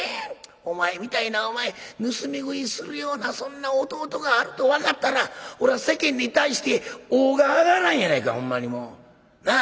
お前みたいなお前盗み食いするようなそんな弟があると分かったら俺は世間に対して尾が上がらんやないかほんまにもう。なあ？